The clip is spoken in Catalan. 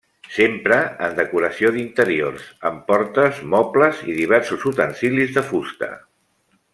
S'empra en decoració d'interiors, en portes, mobles i diversos utensilis de fusta.